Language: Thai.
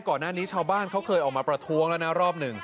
ก่อนหน้านี้ชาวบ้านเขาเคยออกมาประท้วงแล้วนะรอบหนึ่ง